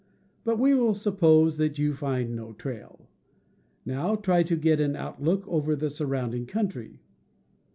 But we will suppose that you find no trail. Now try to get an outlook over the surrounding country.